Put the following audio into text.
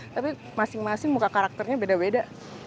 tapi masing masing muka karakternya beda beda